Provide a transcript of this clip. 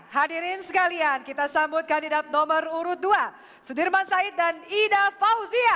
hadirin sekalian kita sambut kandidat nomor urut dua sudirman said dan ida fauzia